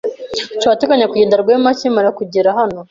Turateganya kugenda Rwema akimara kugera hano.